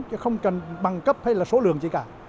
chứ không cần bằng cấp hay là số lượng gì cả